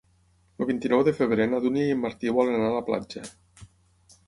El vint-i-nou de febrer na Dúnia i en Martí volen anar a la platja.